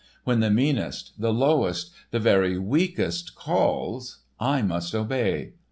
When the meanest, the lowest, the very weakest calls, I must obey.